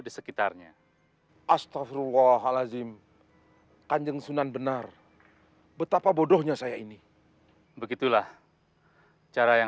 di sekitarnya astafrullah halazim kanjeng sunan benar betapa bodohnya saya ini begitulah cara yang